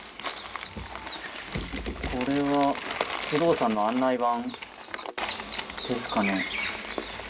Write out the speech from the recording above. これは不動産の案内板ですかね？